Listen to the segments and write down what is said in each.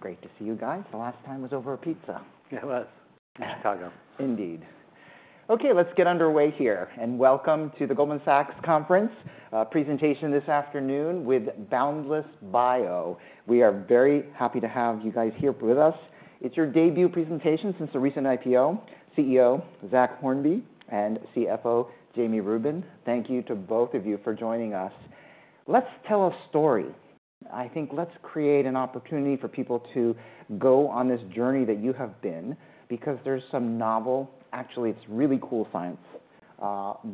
Great to see you guys. The last time was over a pizza. It was in Chicago. Indeed. Okay, let's get underway here, and welcome to the Goldman Sachs conference presentation this afternoon with Boundless Bio. We are very happy to have you guys here with us. It's your debut presentation since the recent IPO, CEO Zach Hornby and CFO Jami Rubin. Thank you to both of you for joining us. Let's tell a story. I think let's create an opportunity for people to go on this journey that you have been, because there's some novel, actually, it's really cool science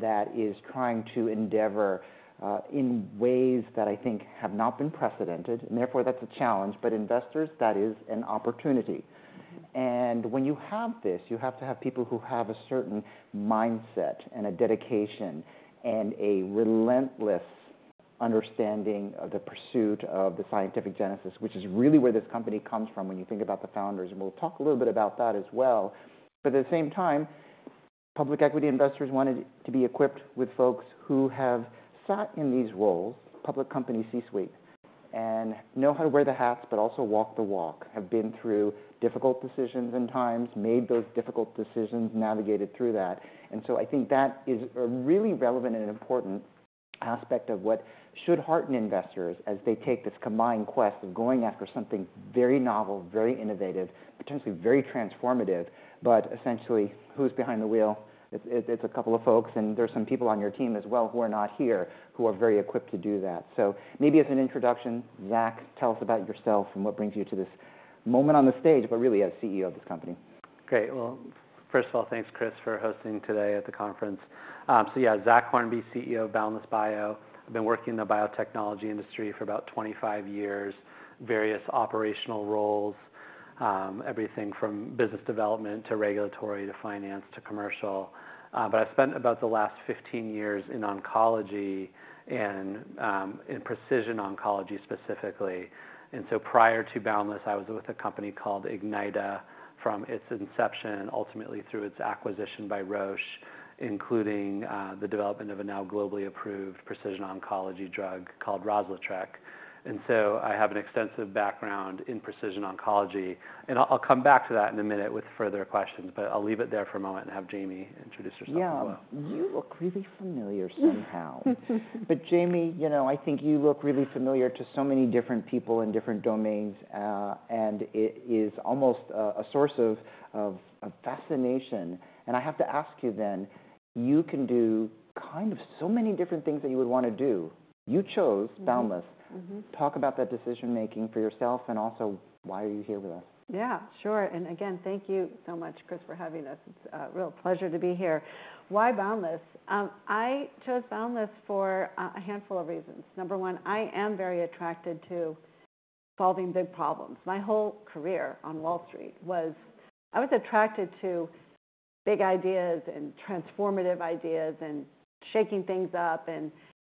that is trying to endeavor in ways that I think have not been precedented, and therefore that's a challenge, but investors, that is an opportunity. And when you have this, you have to have people who have a certain mindset, and a dedication, and a relentless understanding of the pursuit of the scientific genesis, which is really where this company comes from when you think about the founders, and we'll talk a little bit about that as well. But at the same time, public equity investors wanted to be equipped with folks who have sat in these roles, public company C-suite, and know how to wear the hats but also walk the walk, have been through difficult decisions and times, made those difficult decisions, navigated through that. And so I think that is a really relevant and important aspect of what should hearten investors as they take this combined quest of going after something very novel, very innovative, potentially very transformative, but essentially, who's behind the wheel? It's a couple of folks, and there's some people on your team as well who are not here, who are very equipped to do that. So maybe as an introduction, Zach, tell us about yourself and what brings you to this moment on the stage, but really as CEO of this company. Great. Well, first of all, thanks, Chris, for hosting today at the conference. So yeah, Zach Hornby, CEO of Boundless Bio. I've been working in the biotechnology industry for about 25 years, various operational roles, everything from business development, to regulatory, to finance, to commercial. But I've spent about the last 15 years in oncology and, in precision oncology specifically. And so prior to Boundless, I was with a company called Ignyta from its inception, ultimately through its acquisition by Roche, including, the development of a now globally approved precision oncology drug called Rozlytrek. And so I have an extensive background in precision oncology, and I'll, I'll come back to that in a minute with further questions, but I'll leave it there for a moment and have Jami introduce herself as well. Yeah. You look really familiar somehow. But Jami, you know, I think you look really familiar to so many different people in different domains, and it is almost a source of fascination. And I have to ask you then, you can do kind of so many different things that you would want to do. You chose Boundless. Mm-hmm. Talk about that decision-making for yourself, and also why are you here with us? Yeah, sure. And again, thank you so much, Chris, for having us. It's a real pleasure to be here. Why Boundless? I chose Boundless for a, a handful of reasons. Number one, I am very attracted to solving big problems. My whole career on Wall Street was... I was attracted to big ideas, and transformative ideas, and shaking things up, and,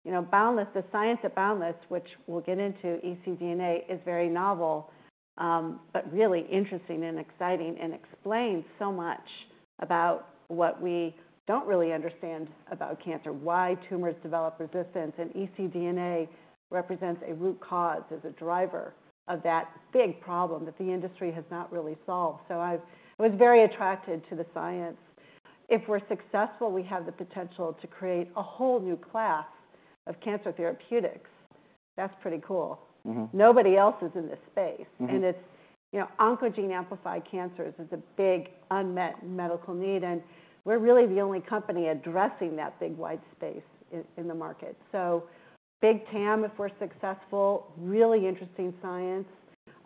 you know, Boundless, the science at Boundless, which we'll get into ecDNA, is very novel, but really interesting and exciting and explains so much about what we don't really understand about cancer, why tumors develop resistance. And ecDNA represents a root cause as a driver of that big problem that the industry has not really solved. I was very attracted to the science. If we're successful, we have the potential to create a whole new class of cancer therapeutics. That's pretty cool. Mm-hmm. Nobody else is in this space. Mm-hmm. And it's, you know, oncogene amplified cancers is a big unmet medical need, and we're really the only company addressing that big white space in the market. So big TAM, if we're successful, really interesting science.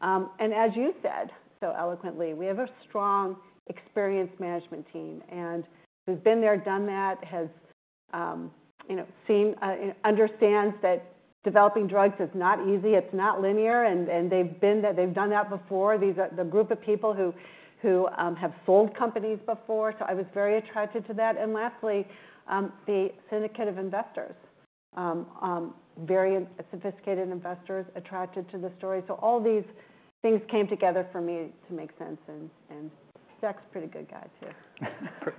And as you said so eloquently, we have a strong, experienced management team, and who's been there, done that, has, you know, seen understands that developing drugs is not easy, it's not linear, and, and they've been there, they've done that before. These are the group of people who have sold companies before, so I was very attracted to that. And lastly, the syndicate of investors. Very sophisticated investors attracted to the story. So all these things came together for me to make sense, and, and Zach's a pretty good guy, too.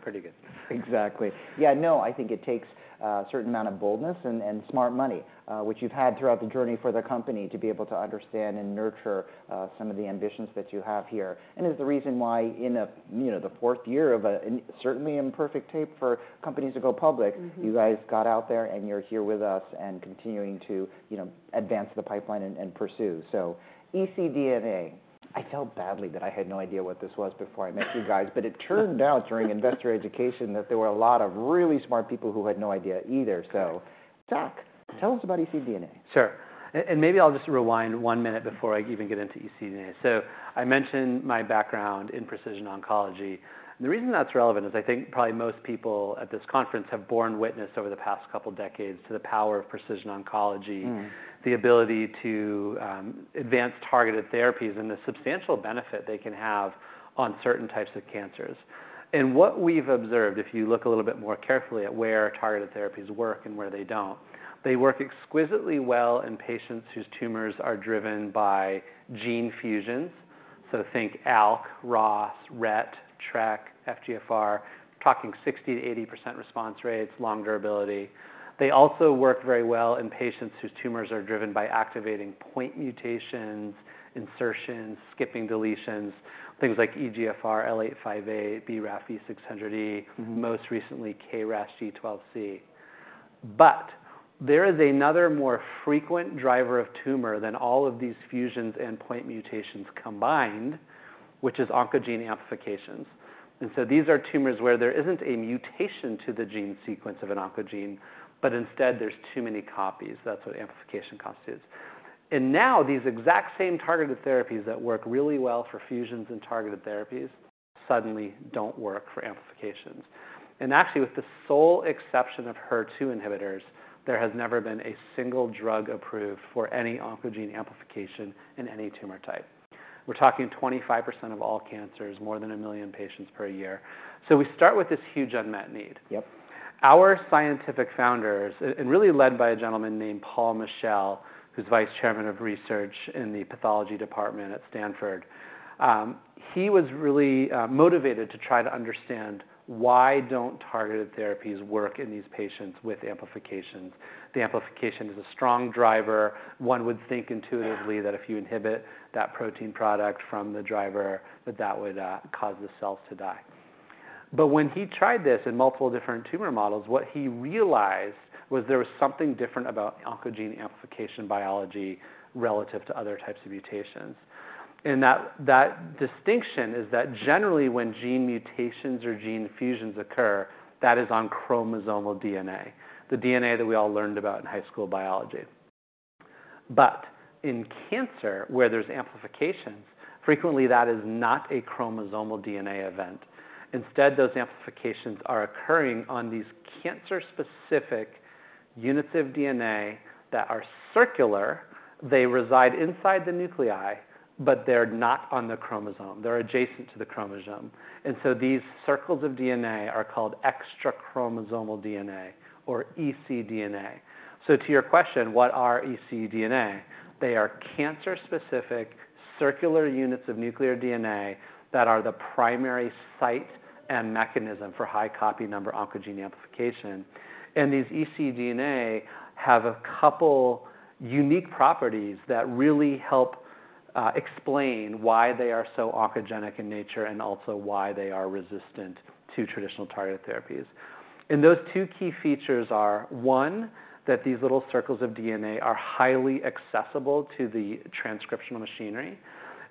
Pretty good. Exactly. Yeah, no, I think it takes a certain amount of boldness and smart money, which you've had throughout the journey for the company to be able to understand and nurture some of the ambitions that you have here. And is the reason why in a, you know, the fourth year of a certainly imperfect tape for companies to go public- Mm-hmm... you guys got out there and you're here with us and continuing to, you know, advance the pipeline and pursue. So ecDNA, I felt badly that I had no idea what this was before I met you guys. But it turned out during investor education that there were a lot of really smart people who had no idea either. Yeah. So Zach, tell us about ecDNA. Sure. And, and maybe I'll just rewind one minute before I even get into ecDNA. So I mentioned my background in precision oncology, and the reason that's relevant is I think probably most people at this conference have borne witness over the past couple decades to the power of precision oncology. Mm-hmm... the ability to advance targeted therapies and the substantial benefit they can have on certain types of cancers. What we've observed, if you look a little bit more carefully at where targeted therapies work and where they don't, they work exquisitely well in patients whose tumors are driven by gene fusions. So think ALK, ROS, RET, TRK, FGFR, talking 60%-80% response rates, long durability. They also work very well in patients whose tumors are driven by activating point mutations, insertions, skipping deletions, things like EGFR, L858, BRAF V600E- Mm-hmm... most recently, KRAS G12C.... but there is another more frequent driver of tumor than all of these fusions and point mutations combined, which is oncogene amplifications. And so these are tumors where there isn't a mutation to the gene sequence of an oncogene, but instead there's too many copies. That's what amplification constitutes. And now, these exact same targeted therapies that work really well for fusions and targeted therapies suddenly don't work for amplifications. And actually, with the sole exception of HER2 inhibitors, there has never been a single drug approved for any oncogene amplification in any tumor type. We're talking 25% of all cancers, more than 1 million patients per year. So we start with this huge unmet need. Yep. Our scientific founders and really led by a gentleman named Paul Mischel, who's vice chairman of research in the pathology department at Stanford, he was really motivated to try to understand why don't targeted therapies work in these patients with amplifications? The amplification is a strong driver. One would think intuitively that if you inhibit that protein product from the driver, that that would cause the cells to die. But when he tried this in multiple different tumor models, what he realized was there was something different about oncogene amplification biology relative to other types of mutations. And that, that distinction is that generally, when gene mutations or gene fusions occur, that is on chromosomal DNA, the DNA that we all learned about in high school biology. But in cancer, where there's amplifications, frequently that is not a chromosomal DNA event. Instead, those amplifications are occurring on these cancer-specific units of DNA that are circular. They reside inside the nuclei, but they're not on the chromosome. They're adjacent to the chromosome. And so these circles of DNA are called extrachromosomal DNA or ecDNA. So to your question, what are ecDNA? They are cancer-specific circular units of nuclear DNA that are the primary site and mechanism for high copy number oncogene amplification. And these ecDNA have a couple unique properties that really help explain why they are so oncogenic in nature, and also why they are resistant to traditional targeted therapies. And those two key features are, one, that these little circles of DNA are highly accessible to the transcriptional machinery,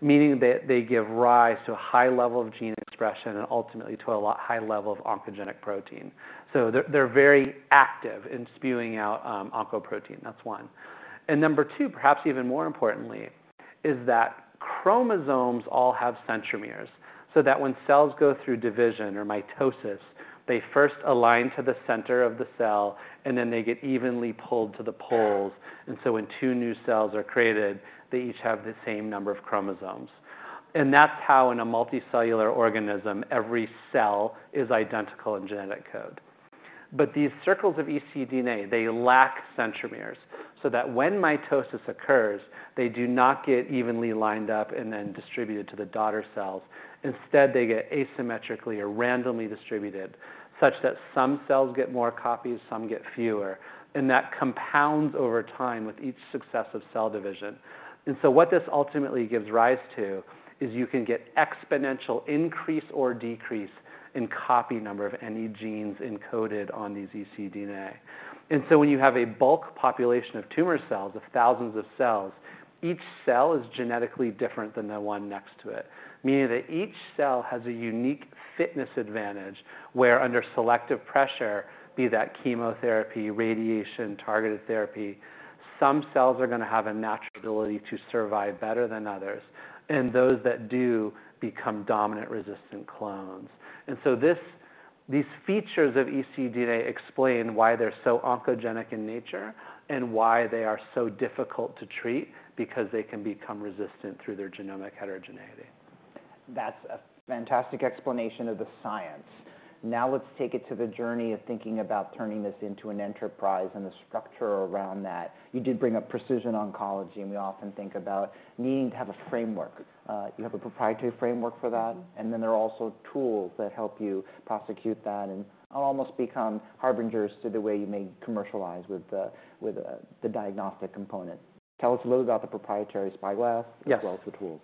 meaning that they give rise to a high level of gene expression and ultimately to a lot high level of oncogenic protein. So they're very active in spewing out oncoprotein. That's one. And number two, perhaps even more importantly, is that chromosomes all have centromeres, so that when cells go through division or mitosis, they first align to the center of the cell, and then they get evenly pulled to the poles. And so when two new cells are created, they each have the same number of chromosomes. And that's how, in a multicellular organism, every cell is identical in genetic code. But these circles of ecDNA, they lack centromeres, so that when mitosis occurs, they do not get evenly lined up and then distributed to the daughter cells. Instead, they get asymmetrically or randomly distributed, such that some cells get more copies, some get fewer, and that compounds over time with each successive cell division. And so what this ultimately gives rise to is you can get exponential increase or decrease in copy number of any genes encoded on these ecDNA. And so when you have a bulk population of tumor cells, of thousands of cells, each cell is genetically different than the one next to it, meaning that each cell has a unique fitness advantage, where under selective pressure, be that chemotherapy, radiation, targeted therapy, some cells are gonna have a natural ability to survive better than others, and those that do become dominant resistant clones. And so these features of ecDNA explain why they're so oncogenic in nature and why they are so difficult to treat, because they can become resistant through their genomic heterogeneity. That's a fantastic explanation of the science. Now, let's take it to the journey of thinking about turning this into an enterprise and the structure around that. You did bring up precision oncology, and we often think about needing to have a framework. You have a proprietary framework for that, and then there are also tools that help you prosecute that and almost become harbingers to the way you may commercialize with the diagnostic component. Tell us a little about the proprietary Spyglass- Yes. as well as the tools.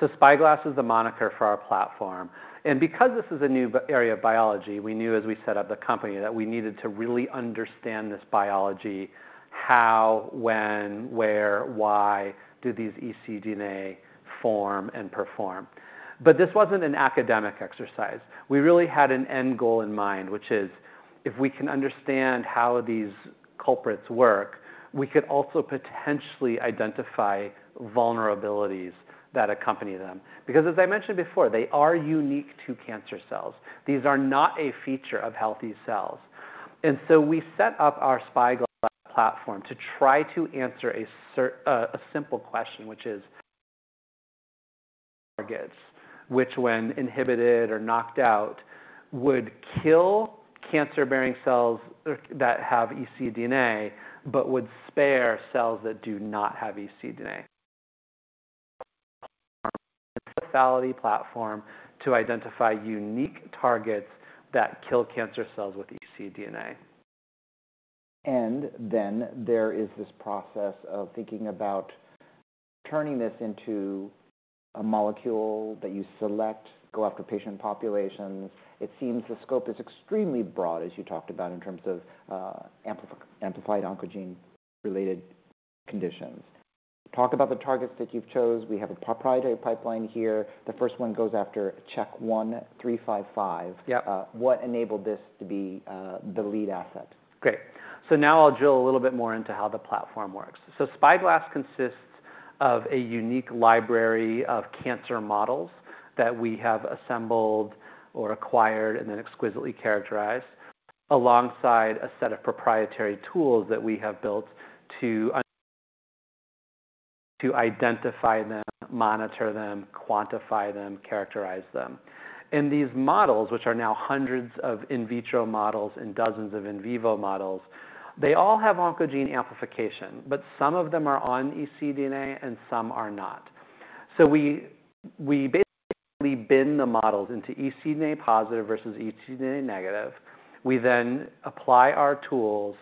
So Spyglass is the moniker for our platform, and because this is a new area of biology, we knew as we set up the company that we needed to really understand this biology. How, when, where, why do these ecDNA form and perform? But this wasn't an academic exercise. We really had an end goal in mind, which is, if we can understand how these culprits work, we could also potentially identify vulnerabilities that accompany them, because as I mentioned before, they are unique to cancer cells. These are not a feature of healthy cells. And so we set up our Spyglass platform to try to answer a simple question, which is: targets, which when inhibited or knocked out, would kill cancer-bearing cells that have ecDNA, but would spare cells that do not have ecDNA? Platform to identify unique targets that kill cancer cells with ecDNA. And then there is this process of thinking about turning this into a molecule that you select, go after patient populations. It seems the scope is extremely broad, as you talked about, in terms of amplified oncogene-related conditions. Talk about the targets that you've chose. We have a proprietary pipeline here. The first one goes after CHEK1, BBI-355. Yep. What enabled this to be the lead asset? Great. Now I'll drill a little bit more into how the platform works. Spyglass consists of a unique library of cancer models that we have assembled or acquired, and then exquisitely characterized, alongside a set of proprietary tools that we have built to identify them, monitor them, quantify them, characterize them. These models, which are now hundreds of in vitro models and dozens of in vivo models, they all have oncogene amplification, but some of them are on ecDNA, and some are not. We basically bin the models into ecDNA positive versus ecDNA negative. We then apply our tools,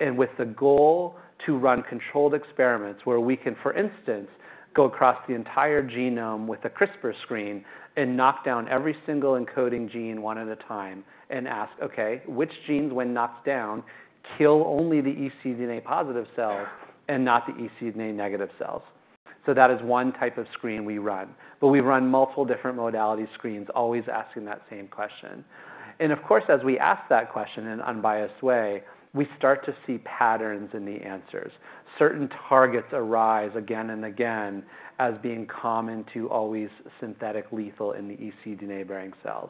and with the goal to run controlled experiments, where we can, for instance, go across the entire genome with a CRISPR screen and knock down every single encoding gene one at a time and ask, "Okay, which genes, when knocked down, kill only the ecDNA positive cells and not the ecDNA negative cells?" So that is one type of screen we run, but we run multiple different modality screens, always asking that same question. And of course, as we ask that question in an unbiased way, we start to see patterns in the answers. Certain targets arise again and again as being common to always synthetic lethal in the ecDNA-bearing cells.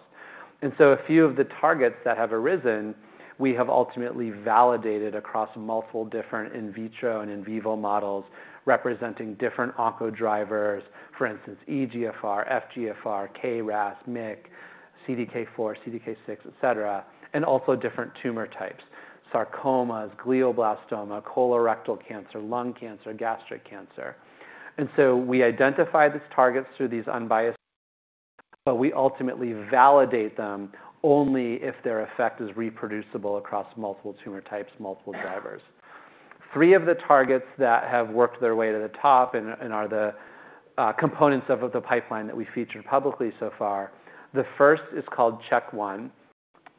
And so a few of the targets that have arisen, we have ultimately validated across multiple different in vitro and in vivo models, representing different onco drivers. For instance, EGFR, FGFR, KRAS, MYC, CDK4, CDK6, et cetera, and also different tumor types: sarcomas, glioblastoma, colorectal cancer, lung cancer, gastric cancer. And so we identify these targets through these unbiased... But we ultimately validate them only if their effect is reproducible across multiple tumor types, multiple drivers. Three of the targets that have worked their way to the top and, and are the, components of, of the pipeline that we featured publicly so far. The first is called CHEK1,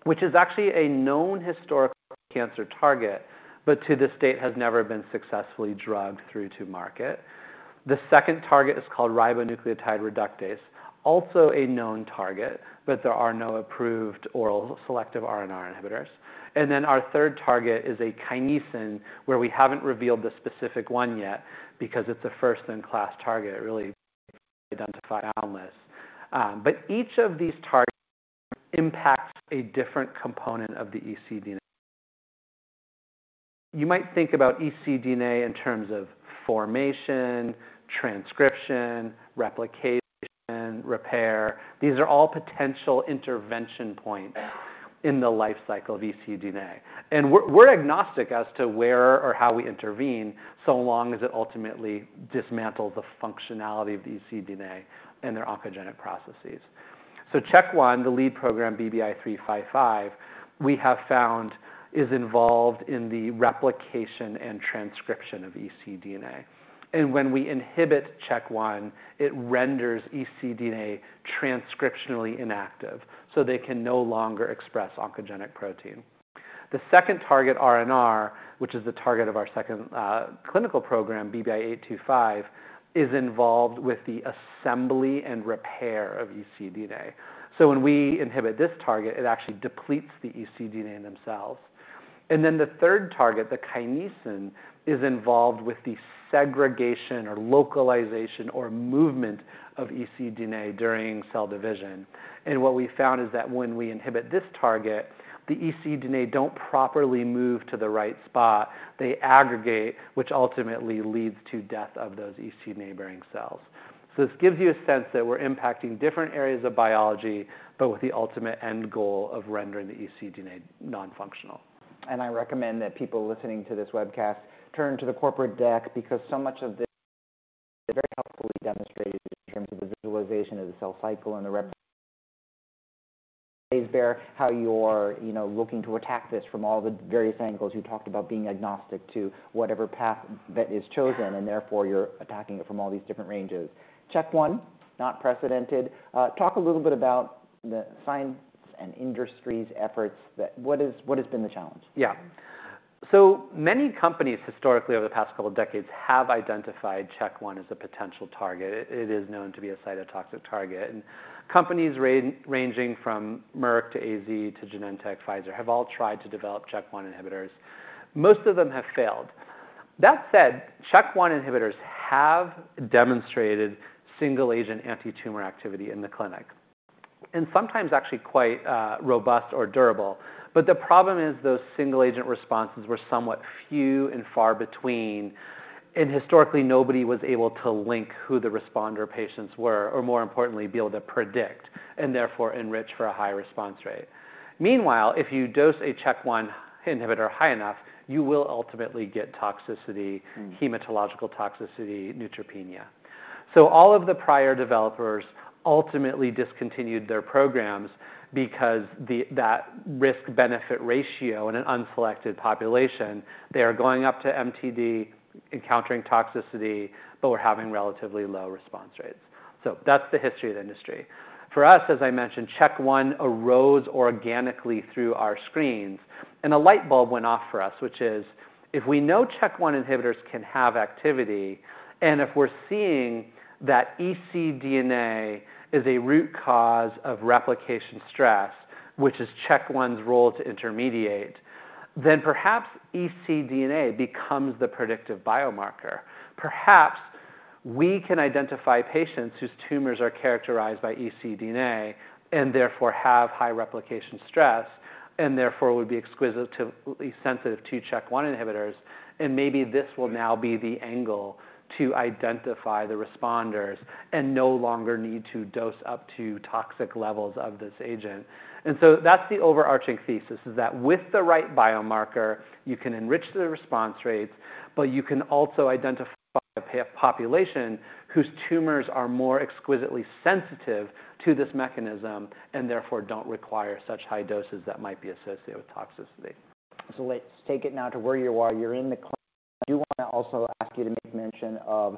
which is actually a known historical cancer target, but to this date, has never been successfully drugged through to market. The second target is called ribonucleotide reductase, also a known target, but there are no approved oral selective RNR inhibitors. And then our third target is a kinesin, where we haven't revealed the specific one yet, because it's a first-in-class target. It really identified on this. But each of these targets impacts a different component of the ecDNA. You might think about ecDNA in terms of formation, transcription, replication, repair. These are all potential intervention points in the life cycle of ecDNA, and we're agnostic as to where or how we intervene, so long as it ultimately dismantles the functionality of the ecDNA and their oncogenic processes. So CHEK1, the lead program, BBI-355, we have found is involved in the replication and transcription of ecDNA. And when we inhibit CHEK1, it renders ecDNA transcriptionally inactive, so they can no longer express oncogenic protein. The second target, RNR, which is the target of our second clinical program, BBI-825, is involved with the assembly and repair of ecDNA. So when we inhibit this target, it actually depletes the ecDNA themselves. And then the third target, the kinesin, is involved with the segregation or localization or movement of ecDNA during cell division. And what we found is that when we inhibit this target, the ecDNA don't properly move to the right spot. They aggregate, which ultimately leads to death of those ecDNA-bearing cells. So this gives you a sense that we're impacting different areas of biology, but with the ultimate end goal of rendering the ecDNA non-functional. I recommend that people listening to this webcast turn to the corporate deck, because so much of this, very helpfully demonstrated in terms of the visualization of the cell cycle and bears how you're, you know, looking to attack this from all the various angles. You talked about being agnostic to whatever path that is chosen, and therefore, you're attacking it from all these different ranges. CHEK1, unprecedented. Talk a little bit about the science and industry's efforts. What has been the challenge? Yeah. So many companies historically, over the past couple of decades, have identified CHEK1 as a potential target. It, it is known to be a cytotoxic target, and companies ranging from Merck to AZ to Genentech, Pfizer, have all tried to develop CHEK1 inhibitors. Most of them have failed. That said, CHEK1 inhibitors have demonstrated single-agent antitumor activity in the clinic, and sometimes actually quite robust or durable. But the problem is, those single-agent responses were somewhat few and far between, and historically, nobody was able to link who the responder patients were, or more importantly, be able to predict and therefore enrich for a high response rate. Meanwhile, if you dose a CHEK1 inhibitor high enough, you will ultimately get toxicity- Mm. hematological toxicity, neutropenia.... So all of the prior developers ultimately discontinued their programs because that risk-benefit ratio in an unselected population, they are going up to MTD, encountering toxicity, but were having relatively low response rates. So that's the history of the industry. For us, as I mentioned, CHEK1 arose organically through our screens, and a light bulb went off for us, which is, if we know CHEK1 inhibitors can have activity, and if we're seeing that ecDNA is a root cause of replication stress, which is CHEK1's role to intermediate, then perhaps ecDNA becomes the predictive biomarker. Perhaps we can identify patients whose tumors are characterized by ecDNA, and therefore have high replication stress, and therefore would be exquisitely sensitive to CHEK1 inhibitors. Maybe this will now be the angle to identify the responders and no longer need to dose up to toxic levels of this agent. So that's the overarching thesis, is that with the right biomarker, you can enrich the response rates, but you can also identify a population whose tumors are more exquisitely sensitive to this mechanism, and therefore don't require such high doses that might be associated with toxicity. So let's take it now to where you are. You're in the clinic. I do wanna also ask you to make mention of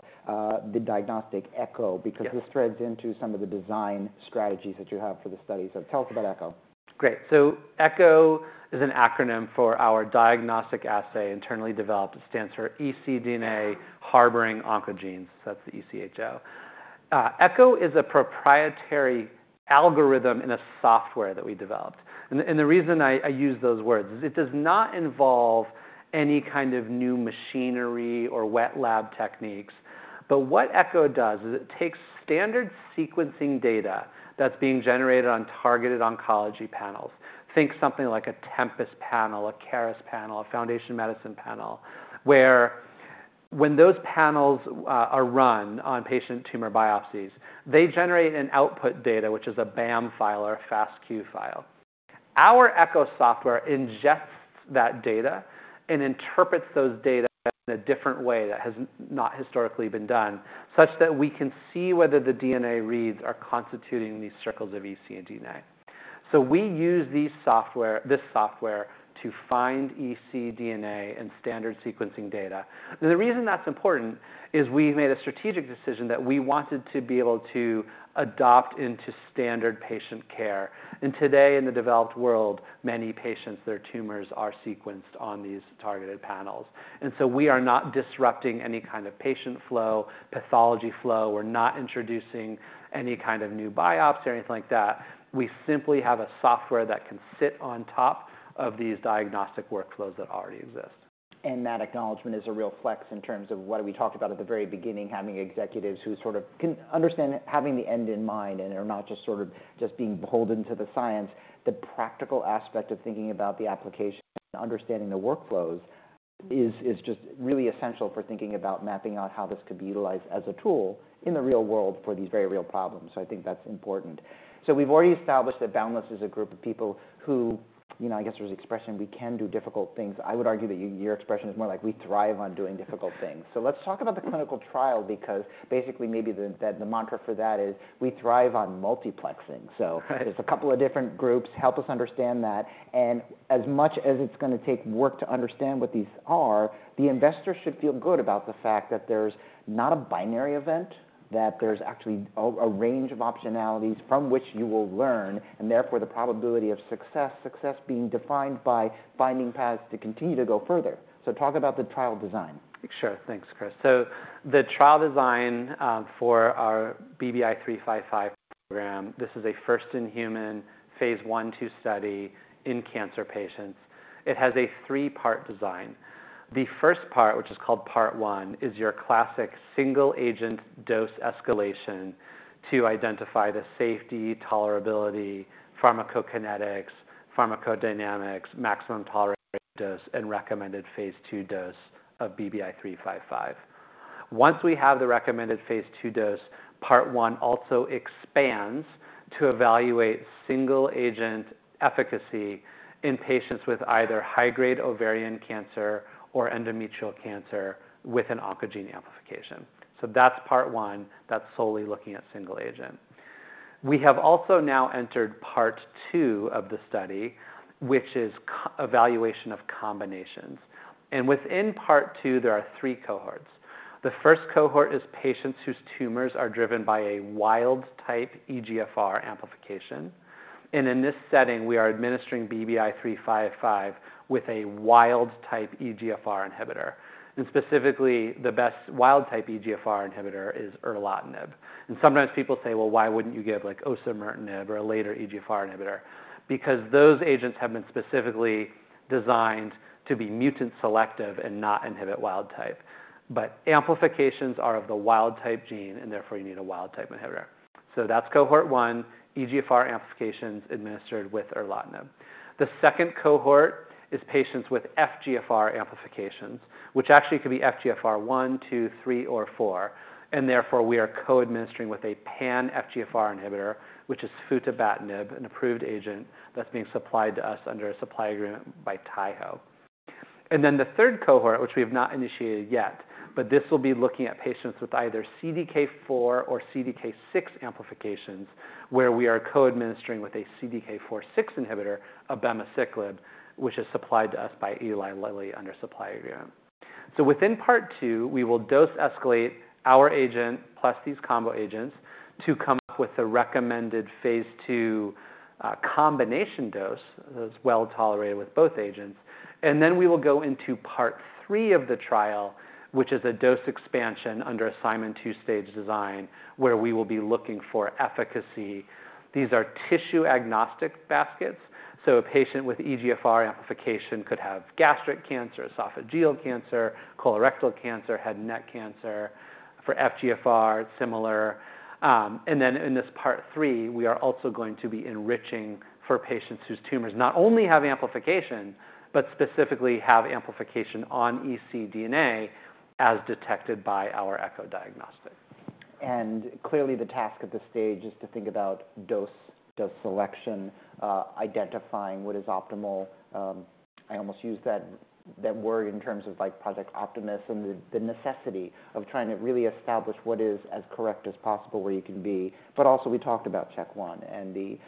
the diagnostic ECHO- Yeah Because this threads into some of the design strategies that you have for the study. So tell us about ECHO. Great. So ECHO is an acronym for our diagnostic assay, internally developed. It stands for ecDNA Harboring Oncogenes, so that's the ECHO. ECHO is a proprietary algorithm in a software that we developed. And the reason I use those words is it does not involve any kind of new machinery or wet lab techniques. But what ECHO does is it takes standard sequencing data that's being generated on targeted oncology panels. Think something like a Tempus panel, a Caris panel, a Foundation Medicine panel, where when those panels are run on patient tumor biopsies, they generate an output data, which is a BAM file or a FASTQ file. Our ECHO software ingests that data and interprets those data in a different way that has not historically been done, such that we can see whether the DNA reads are constituting these circles of ecDNA. So we use this software to find ecDNA in standard sequencing data. The reason that's important is we made a strategic decision that we wanted to be able to adopt into standard patient care. Today, in the developed world, many patients' tumors are sequenced on these targeted panels. So we are not disrupting any kind of patient flow, pathology flow. We're not introducing any kind of new biopsy or anything like that. We simply have a software that can sit on top of these diagnostic workflows that already exist. And that acknowledgment is a real flex in terms of what we talked about at the very beginning, having executives who sort of can understand having the end in mind and are not just sort of just being beholden to the science. The practical aspect of thinking about the application and understanding the workflows is just really essential for thinking about mapping out how this could be utilized as a tool in the real world for these very real problems. So I think that's important. So we've already established that Boundless is a group of people who... You know, I guess there's an expression, "We can do difficult things." I would argue that your expression is more like, "We thrive on doing difficult things." So let's talk about the clinical trial, because basically, maybe the mantra for that is, "We thrive on multiplexing. Right. It's a couple of different groups. Help us understand that. As much as it's gonna take work to understand what these are, the investors should feel good about the fact that there's not a binary event, that there's actually a, a range of optionalities from which you will learn, and therefore the probability of success, success being defined by finding paths to continue to go further. Talk about the trial design. Sure. Thanks, Chris. So the trial design for our BBI-355 program, this is a first-in-human, Phase I/II study in cancer patients. It has a 3-part design. The first part, which is called Part I, is your classic single-agent dose escalation to identify the safety, tolerability, pharmacokinetics, pharmacodynamics, maximum tolerated dose, and recommended Phase II dose of BBI-355. Once we have the recommended Phase II dose, Part I also expands to evaluate single-agent efficacy in patients with either high-grade ovarian cancer or endometrial cancer with an oncogene amplification. So that's Part I. That's solely looking at single agent. We have also now entered Part II of the study, which is co-evaluation of combinations. And within Part II, there are three cohorts. The first cohort is patients whose tumors are driven by a wild-type EGFR amplification, and in this setting, we are administering BBI-355 with a wild-type EGFR inhibitor, and specifically, the best wild-type EGFR inhibitor is erlotinib. Sometimes people say: Well, why wouldn't you give, like, osimertinib or a later EGFR inhibitor? Because those agents have been specifically designed to be mutant selective and not inhibit wild type. But amplifications are of the wild-type gene, and therefore you need a wild-type inhibitor. That's Cohort I, EGFR amplifications administered with erlotinib. The second cohort is patients with FGFR amplifications, which actually could be FGFR one, two, three, or four, and therefore we are co-administering with a pan FGFR inhibitor, which is futibatinib, an approved agent that's being supplied to us under a supply agreement by Taiho. And then the third cohort, which we have not initiated yet, but this will be looking at patients with either CDK4 or CDK6 amplifications, where we are co-administering with a CDK4/6 inhibitor, abemaciclib, which is supplied to us by Eli Lilly under a supply agreement. So within Part Two, we will dose escalate our agent, plus these combo agents, to come up with a recommended Phase II combination dose that's well tolerated with both agents. And then we will go into Part III of the trial, which is a dose expansion under a Simon two-stage design, where we will be looking for efficacy. These are tissue-agnostic baskets, so a patient with EGFR amplification could have gastric cancer, esophageal cancer, colorectal cancer, head and neck cancer. For FGFR, it's similar. And then in this Part III, we are also going to be enriching for patients whose tumors not only have amplification, but specifically have amplification on ecDNA as detected by our ECHO diagnostic. Clearly, the task at this stage is to think about dose, dose selection, identifying what is optimal. I almost used that, that word in terms of, like, Project Optimist and the, the necessity of trying to really establish what is as correct as possible, where you can be. But also, we talked about CHEK1 and the,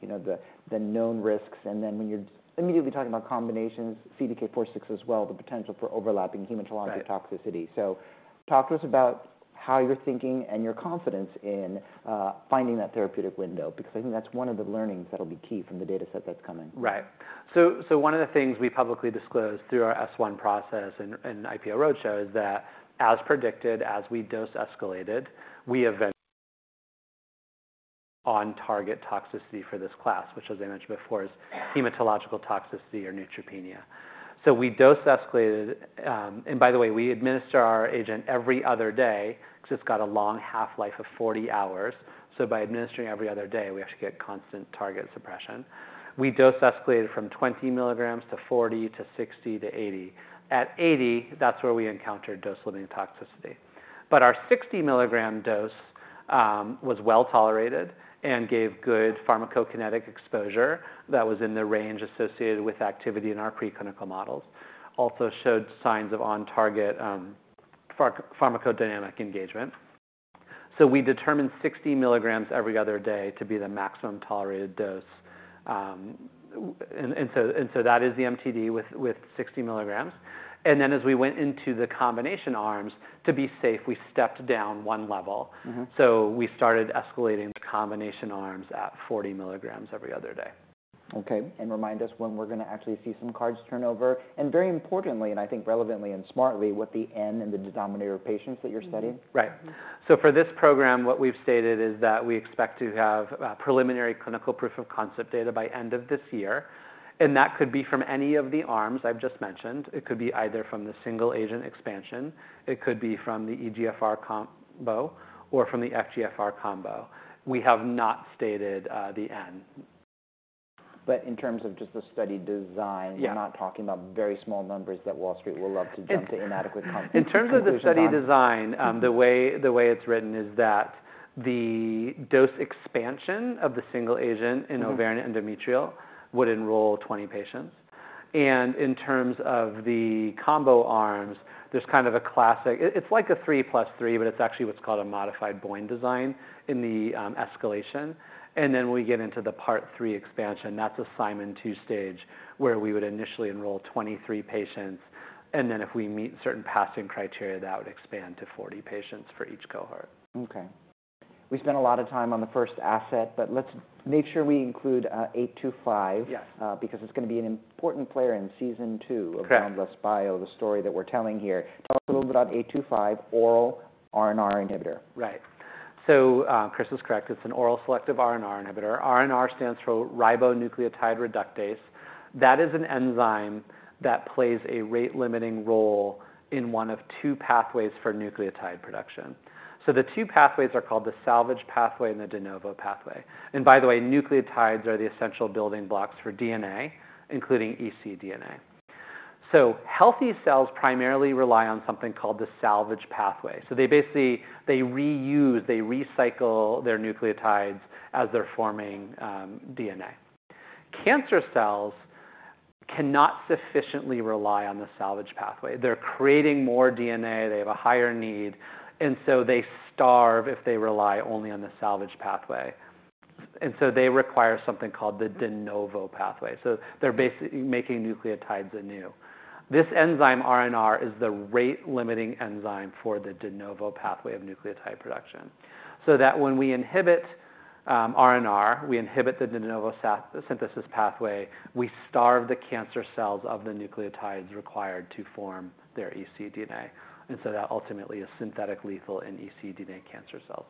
you know, the, the known risks. And then when you're immediately talking about combinations, CDK4/6 as well, the potential for overlapping hematologic toxicity. Right. So talk to us about how you're thinking and your confidence in finding that therapeutic window, because I think that's one of the learnings that'll be key from the dataset that's coming. Right. So one of the things we publicly disclosed through our S-1 process and IPO roadshow is that as predicted, as we dose escalated, we encountered on-target toxicity for this class, which, as I mentioned before, is hematological toxicity or neutropenia. So we dose escalated. And by the way, we administer our agent every other day because it's got a long half-life of 40 hours. So by administering every other day, we actually get constant target suppression. We dose escalated from 20 mg to 40 to 60 to 80. At 80, that's where we encountered dose-limiting toxicity. But our 60 mg dose was well tolerated and gave good pharmacokinetic exposure that was in the range associated with activity in our preclinical models. Also showed signs of on-target pharmacodynamic engagement. So we determined 60 mg every other day to be the maximum tolerated dose. And so that is the MTD with 60 mg. And then, as we went into the combination arms, to be safe, we stepped down 1 level. Mm-hmm. We started escalating the combination arms at 40 mg every other day. Okay. And remind us when we're going to actually see some cards turn over, and very importantly, and I think relevantly and smartly, what the N in the denominator of patients that you're studying? Right. So for this program, what we've stated is that we expect to have preliminary clinical proof of concept data by end of this year, and that could be from any of the arms I've just mentioned. It could be either from the single-agent expansion, it could be from the EGFR combo, or from the FGFR combo. We have not stated the end. But in terms of just the study design- Yeah... you're not talking about very small numbers that Wall Street will love to jump to inadequate con- In terms of the study design- Mm-hmm... the way it's written is that the dose expansion of the single agent in- Mm-hmm Ovarian, endometrial would enroll 20 patients. And in terms of the combo arms, there's kind of a classic... It, it's like a 3 + 3, but it's actually what's called a modified BOIN design in the escalation. And then we get into the Part 3 expansion. That's a Simon 2-stage, where we would initially enroll 23 patients, and then if we meet certain passing criteria, that would expand to 40 patients for each cohort. Okay. We spent a lot of time on the first asset, but let's make sure we include 825. Yes. Because it's going to be an important player in season two- Correct... of Boundless Bio, the story that we're telling here. Tell us a little bit about BBI-825 oral RNR inhibitor. Right. So, Chris is correct. It's an oral selective RNR inhibitor. RNR stands for ribonucleotide reductase. That is an enzyme that plays a rate-limiting role in one of two pathways for nucleotide production. So the two pathways are called the salvage pathway and the de novo pathway. And by the way, nucleotides are the essential building blocks for DNA, including ecDNA. So healthy cells primarily rely on something called the salvage pathway. So they basically, they reuse, they recycle their nucleotides as they're forming DNA. Cancer cells cannot sufficiently rely on the salvage pathway. They're creating more DNA, they have a higher need, and so they starve if they rely only on the salvage pathway. And so they require something called the de novo pathway, so they're basically making nucleotides anew. This enzyme, RNR, is the rate-limiting enzyme for the de novo pathway of nucleotide production. So that when we inhibit RNR, we inhibit the de novo synthesis pathway, we starve the cancer cells of the nucleotides required to form their ecDNA, and so that ultimately is synthetic lethal in ecDNA cancer cells.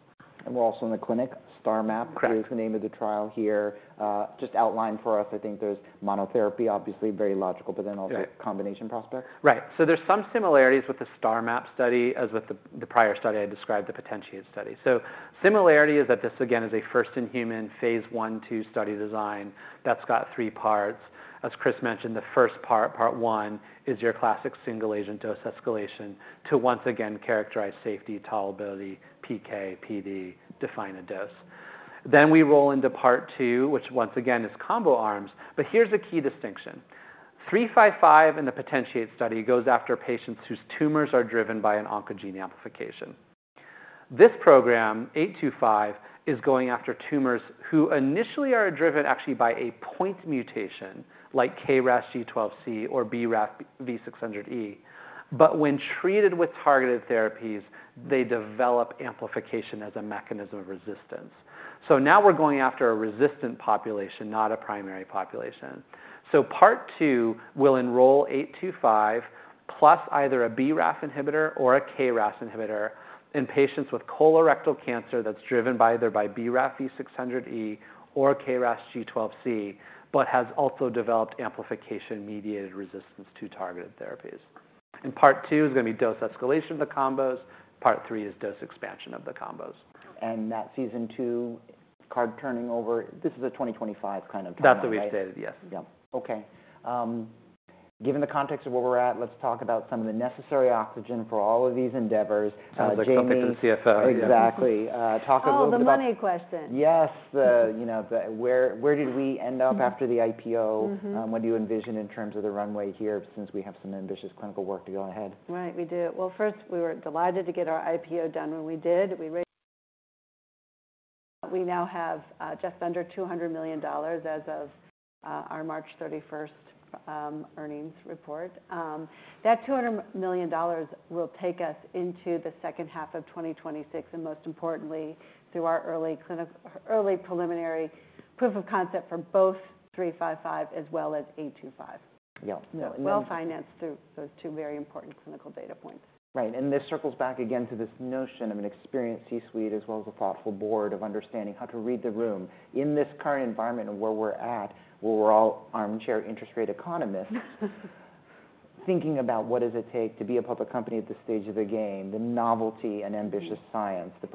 We're also in the clinic. STARmap- Correct... is the name of the trial here. Just outline for us, I think there's monotherapy, obviously very logical, but then- Right also combination prospects. Right. So there's some similarities with the STARmap study, as with the prior study I described, the POTENTIATE study. So similarity is that this, again, is a first-in-human, Phase I and II study design that's got three parts. As Chris mentioned, the first part, part one, is your classic single-agent dose escalation to once again characterize safety, tolerability, PK, PD, define a dose. Then we roll into Part II, which once again, is combo arms. But here's the key distinction. 355 in the POTENTIATE study goes after patients whose tumors are driven by an oncogene amplification. This program, 825, is going after tumors who initially are driven actually by a point mutation like KRAS G12C or BRAF V600E, but when treated with targeted therapies, they develop amplification as a mechanism of resistance. So now we're going after a resistant population, not a primary population. So part two will enroll 825, plus either a BRAF inhibitor or a KRAS inhibitor in patients with colorectal cancer that's driven by either by BRAF V600E or KRAS G12C, but has also developed amplification-mediated resistance to targeted therapies. Part II is gonna be dose escalation of the combos. Part III is dose expansion of the combos. That season two card turning over, this is a 2025 kind of timeline, right? That's what we've said, yes. Yeah. Okay. Given the context of where we're at, let's talk about some of the necessary oxygen for all of these endeavors. Jami- Let's go to the CFO. Exactly. Talk a little bit about- Oh, the money question. Yes, you know, where did we end up after the IPO? Mm-hmm. What do you envision in terms of the runway here, since we have some ambitious clinical work to go ahead? Right, we do. Well, first, we were delighted to get our IPO done when we did. We raised... We now have just under $200 million as of our March 31st earnings report. That $200 million will take us into the second half of 2026, and most importantly, through our early preliminary proof of concept for both 355 as well as 825. Yeah. So well-financed through those two very important clinical data points. Right. And this circles back again to this notion of an experienced C-suite, as well as a thoughtful board of understanding how to read the room. In this current environment and where we're at, where we're all armchair interest rate economists, thinking about what does it take to be a public company at this stage of the game, the novelty and ambitious science, the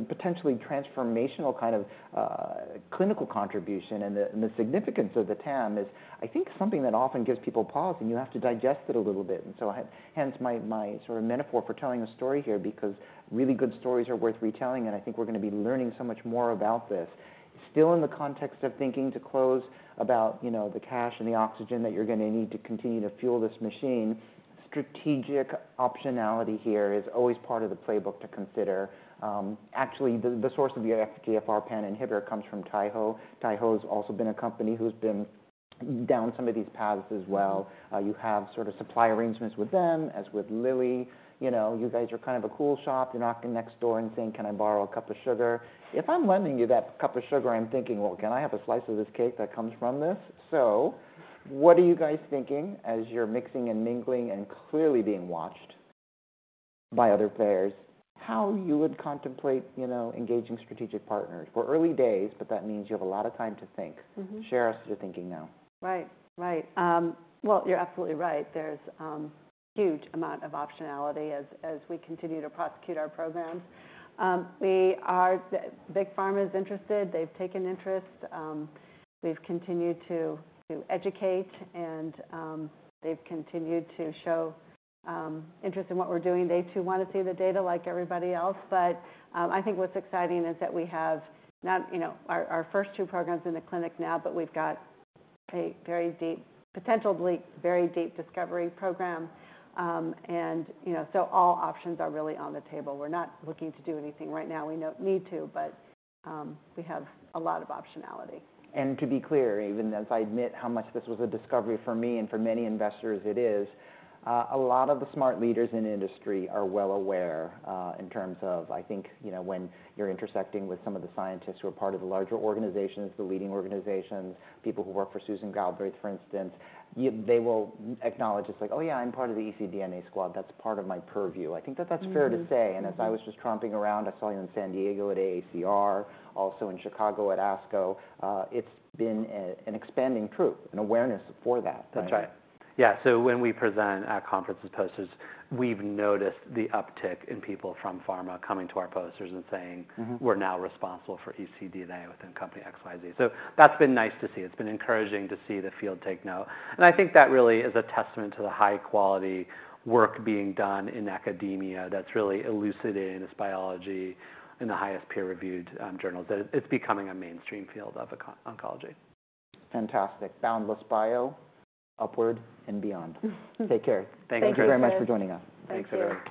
potentially transformational kind of clinical contribution and the significance of the TAM is, I think, something that often gives people pause, and you have to digest it a little bit. And so I, hence my sort of metaphor for telling a story here, because really good stories are worth retelling, and I think we're gonna be learning so much more about this. Still in the context of thinking to close about, you know, the cash and the oxygen that you're gonna need to continue to fuel this machine, strategic optionality here is always part of the playbook to consider. Actually, the source of your FGFR pan inhibitor comes from Taiho. Taiho has also been a company who's been down some of these paths as well. You have sort of supply arrangements with them, as with Lilly. You know, you guys are kind of a cool shop. You're knocking next door and saying, "Can I borrow a cup of sugar?" If I'm lending you that cup of sugar, I'm thinking, "Well, can I have a slice of this cake that comes from this?" So what are you guys thinking as you're mixing and mingling and clearly being watched by other players, how you would contemplate, you know, engaging strategic partners? We're early days, but that means you have a lot of time to think. Mm-hmm. Share us your thinking now. Right. Right. Well, you're absolutely right. There's a huge amount of optionality as we continue to prosecute our programs. We are. Big Pharma is interested. They've taken interest. We've continued to educate, and they've continued to show interest in what we're doing. They, too, wanna see the data like everybody else. But I think what's exciting is that we have not, you know, our first two programs in the clinic now, but we've got a very deep, potentially very deep, discovery program. And, you know, so all options are really on the table. We're not looking to do anything right now. We don't need to, but we have a lot of optionality. To be clear, even as I admit how much this was a discovery for me and for many investors, it is a lot of the smart leaders in industry are well aware, in terms of, I think, you know, when you're intersecting with some of the scientists who are part of the larger organizations, the leading organizations, people who work for Susan Galbraith, for instance, they will acknowledge, it's like, "Oh, yeah, I'm part of the ecDNA squad. That's part of my purview. Mm-hmm. I think that that's fair to say. Mm-hmm. As I was just tromping around, I saw you in San Diego at AACR, also in Chicago at ASCO. It's been an expanding truth, an awareness for that. That's right. Yeah, so when we present at conferences posters, we've noticed the uptick in people from pharma coming to our posters and saying- Mm-hmm... "We're now responsible for ecDNA within company XYZ." So that's been nice to see. It's been encouraging to see the field take note, and I think that really is a testament to the high-quality work being done in academia that's really elucidating this biology in the highest peer-reviewed journals. That it's becoming a mainstream field of oncology. Fantastic. Boundless Bio, upward and beyond. Take care. Thank you. Thank you. Thank you very much for joining us. Thanks, everyone.